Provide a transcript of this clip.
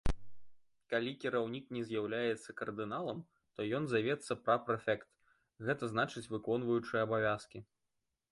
Калі кіраўнік не з'яўляецца кардыналам, то ён завецца пра-прэфект, гэта значыць выконваючы абавязкі.